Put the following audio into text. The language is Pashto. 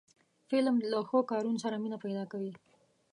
فلم له ښو کارونو سره مینه پیدا کوي